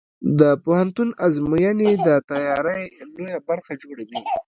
د پوهنتون ازموینې د تیاری لویه برخه جوړوي.